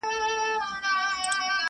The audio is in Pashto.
شیرنۍ ته ریسوت وایې ډېر ساده یې،